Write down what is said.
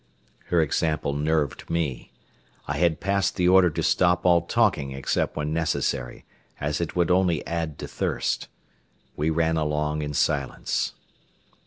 Her example nerved me. I had passed the order to stop all talking except when necessary, as it would only add to thirst. We ran along in silence.